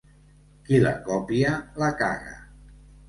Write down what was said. Qui la copia, la caga.